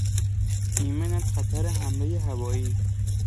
ایمن از خطر حملهی هوایی